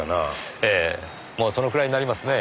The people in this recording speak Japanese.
ええもうそのくらいになりますね。